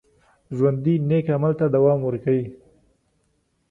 ژوندي نیک عمل ته دوام ورکوي